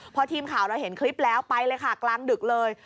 พอทีมข่าวเราเห็นคลิปแล้วไปเลยค่ะกลางดึกเลย